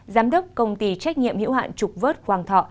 giám đốc công ty trách nhiệm hiệu hạn trục vớt hoàng thọ